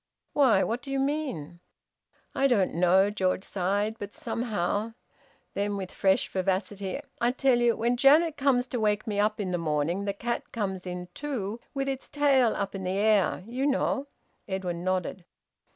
"Why? What do you mean?" "I don't know!" George sighed. "But somehow " Then, with fresh vivacity: "I tell you when Auntie Janet comes to wake me up in the morning the cat comes in too, with its tail up in the air you know!" Edwin nodded.